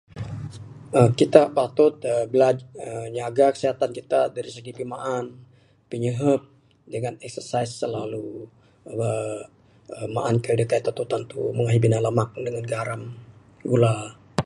uhh Kitak patuh uhh bila[uhh] nyaga kesihatan kitak dari segi pimaan, pinyihup dengan exercise selalu. uhh uhh Maan kayuh da kai tantu-tantu mung da ahi lemak dengan garam, gula.